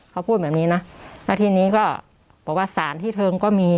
เขาพูดแบบนี้นะแล้วทีนี้ก็บอกว่าสารที่เทิงก็มี